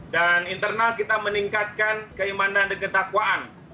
dan internal kita meningkatkan keimanan dan ketakwaan